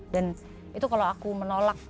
dan itu kalau aku menolak